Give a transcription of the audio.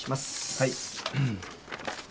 はい。